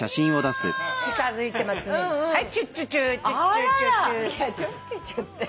いやチュッチュチュって。